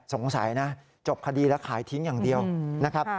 สงสัยนะจบคดีแล้วขายทิ้งอย่างเดียวนะครับ